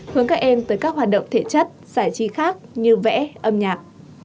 hướng các em tới các hoạt động thể chất giải trí khác như vẽ âm nhạc